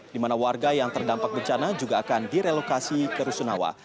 di mana warga yang terdampak bencana juga akan direlokasi ke rusunawa